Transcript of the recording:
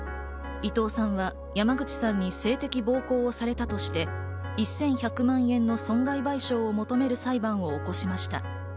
伊藤さんは山口さんに性的暴行されたとして、１１００万円の損害賠償を求める裁判を起こしました。